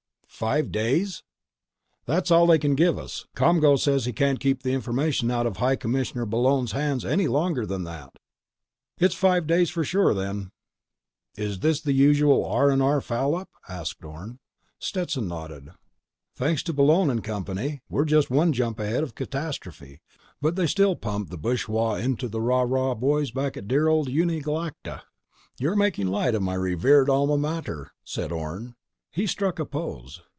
"Five days?" "That's all they can give us. ComGO says he can't keep the information out of High Commissioner Bullone's hands any longer than that." "It's five days for sure then." "Is this the usual R&R foul up?" asked Orne. Stetson nodded. "Thanks to Bullone and company! We're just one jump ahead of catastrophe, but they still pump the bushwah into the Rah & Rah boys back at dear old Uni Galacta!" "You're making light of my revered alma mater," said Orne. He struck a pose.